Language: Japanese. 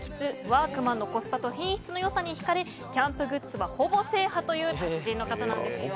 ワークマンのコスパと品質の良さにひかれキャンプグッズはほぼ制覇という達人の方なんですよ。